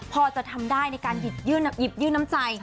พอจะทำได้ในการหยิบยื่นน้ำใจ